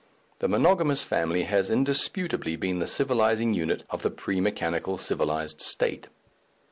The monogamous family has indisputably been the civilizing unit of the pre mechanical civilized state.